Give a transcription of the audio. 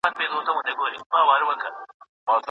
یوه ورځ به داسي هم وي د چړي پر کور به غم وي